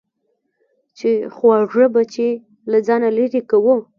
چې خواږه بچي له ځانه لېرې کوو.